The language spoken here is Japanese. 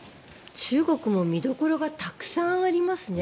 中国も見どころがたくさんありますね。